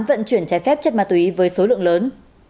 vận chuyển trái phép chất ma túy với số lượng lớn